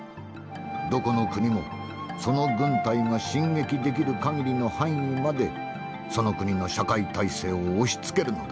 どこの国もその軍隊が進撃できる限りの範囲にまでその国の社会体制を押しつけるのだ。